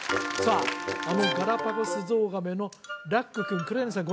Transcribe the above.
あのガラパゴスゾウガメのラック君黒柳さん